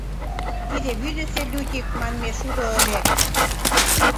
Тиде вӱдысӧ лютик манме шудо ыле.